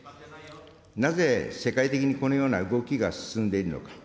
なぜ世界的に、このような動きが進んでいるのか。